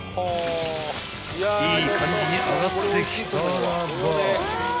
［いい感じに揚がってきたらば］